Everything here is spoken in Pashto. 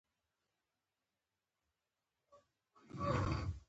مرسل په لغت کښي مطلق او آزاد سوي ته وايي.